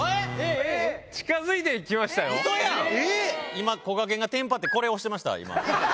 今こがけんがテンパってこれ押してました。